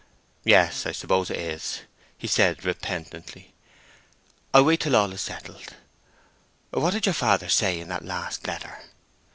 "Yes—I suppose it is," he said, repentantly. "I'll wait till all is settled. What did your father say in that last letter?"